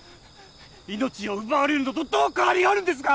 命を奪われるのとどう変わりがあるんですか！